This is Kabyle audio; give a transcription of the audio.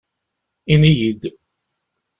Ini-yi-d.